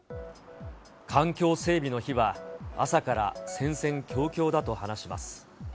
環境整備の日は、朝から戦々恐々だと話します。